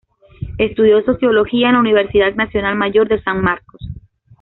Estudió Sociología en la Universidad Nacional Mayor de San Marcos.